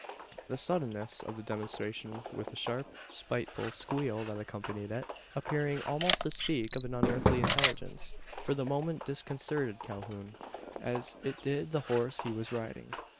The suddenness of the demonstration, with the sharp, spiteful "squeal" that accompanied it appearing almost to speak of an unearthly intelligence for the moment disconcerted Calhoun; as it did the horse he was riding.